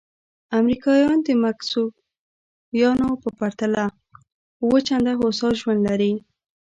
امریکایان د مکسیکویانو په پرتله اووه چنده هوسا ژوند لري.